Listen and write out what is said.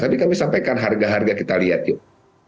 tapi kami sampaikan harga harga kita lihat yuk